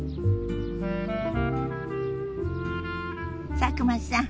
佐久間さん